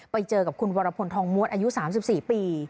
ไปเจอกับคุณวรพลทองม้วนอายุ๓๔ปี